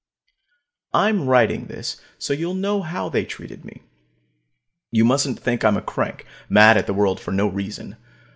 I'm writing this so you'll know how they treated me. You mustn't think I'm a crank, mad at the world for no reason.